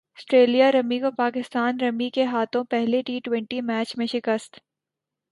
سٹریلیا رمی کو پاکستان رمی کے ہاتھوں پہلے ٹی ٹوئنٹی میچ میں شکست